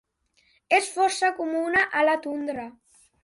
És força comuna a la tundra.